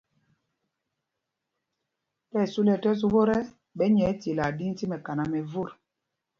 Tí ɛsu lɛ ɛtɔs vot ɛ, ɓɛ nyɛɛ tilaa ɗin tí mɛkaná mɛ vot.